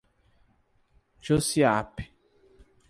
Jussiape